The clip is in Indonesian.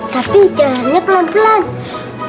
tapi caranya pelan pelan deh